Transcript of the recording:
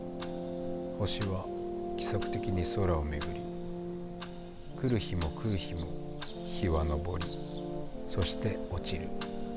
星は規則的に空を巡り来る日も来る日も日は昇りそして落ちる。